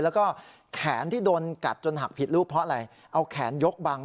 แล้วก็แขนที่โดนกัดจนหักผิดรูปเพราะอะไรเอาแขนยกบัง